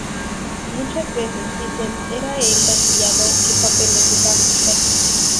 Muchas veces Vincent era encasillado en papeles de gánster.